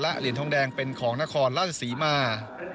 เหรียญทองแดงเป็นของนครราชศรีมา